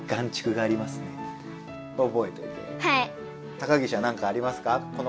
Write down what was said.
高岸はなんかありますか？